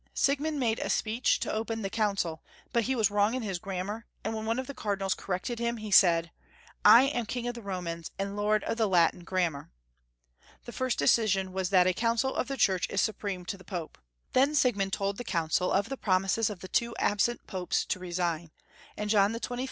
Siegmund made a speech to open the Council, but he was wrong in his grammar, and when one of the Cardinals corrected him, he said, " I am King of the Romans, and lord of the Latin grammar." The first decision was that a Council of the Church is supreme to the Pope. Then Sieg mund told the Council of the promises of the two absent Popes to resign, and John XXIII.